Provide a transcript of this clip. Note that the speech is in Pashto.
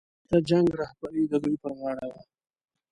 د جنګ رهبري د دوی پر غاړه وه.